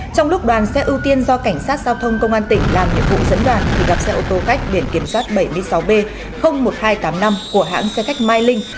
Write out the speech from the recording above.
trong lúc đoàn xe ưu tiên do cảnh sát giao thông công an tỉnh làm nhiệm vụ dẫn đoàn thì gặp xe ô tô khách biển kiểm soát bảy mươi sáu b một nghìn hai trăm tám mươi năm của hãng xe khách mai linh